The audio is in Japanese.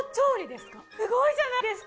すごいじゃないですか。